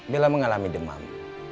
bella mengalami demam